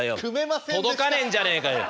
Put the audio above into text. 届かねえんじゃねえかよ。